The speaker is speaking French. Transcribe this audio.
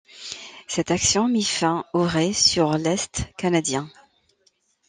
Cette action mit fin au raid sur l'Est Canadien.